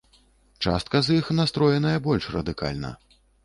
Частка з іх настроеная больш радыкальна.